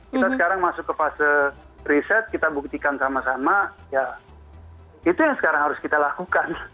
kita sekarang masuk ke fase riset kita buktikan sama sama ya itu yang sekarang harus kita lakukan